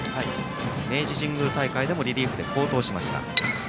明治神宮大会でもリリーフで好投しました。